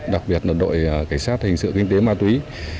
đặc biệt là đội cảnh sát hình sự kinh tế ma túy